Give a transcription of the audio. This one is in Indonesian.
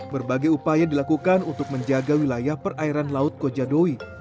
berbagai upaya dilakukan untuk menjaga wilayah perairan laut kojadowi